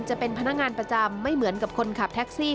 จะเป็นพนักงานประจำไม่เหมือนกับคนขับแท็กซี่